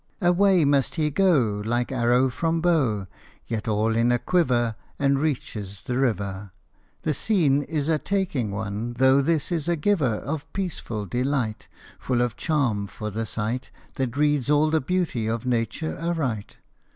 Away must he go Like arrow from bow, Yet all in a quiver, And reaches the river. The scene is a taking one, though this is a giver Of peaceful delight, Full of charm for the sight That reads all the beauty of Nature aright.